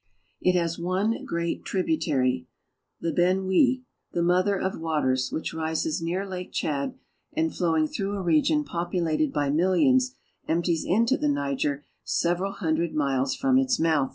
It s one great tributary, the Benue {bfin'we), the mother of Alters, which rises near Lake Tchad and, flowing through fe region populated by millions, empties into the Niger n^eral hundred miles from its mouth.